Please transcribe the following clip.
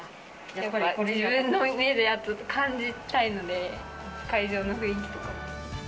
やっぱり自分の目で感じたいので、会場の雰囲気とか。